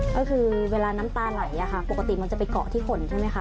ก็คือเวลาน้ำตาไหลอะค่ะปกติมันจะไปเกาะที่ขนใช่ไหมคะ